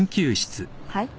はい？